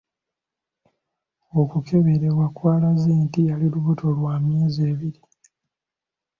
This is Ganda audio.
Okukeberwa kwalaze nti ali lubuto lwa myezi ebiri.